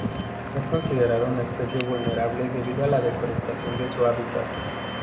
Es considerada una especie vulnerable debido a la deforestación de su hábitat.